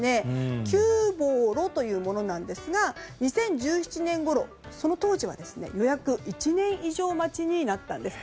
キュボロというものなんですが２０１７年ごろその当時は予約１年以上待ちになったんです。